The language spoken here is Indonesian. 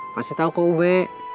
masih tau kok ube